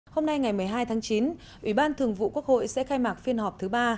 hôm nay ngày một mươi hai tháng chín ủy ban thường vụ quốc hội sẽ khai mạc phiên họp thứ ba